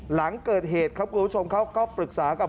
หลังเกิดเหตุครับคุณผู้ชมเขาก็ปรึกษากับ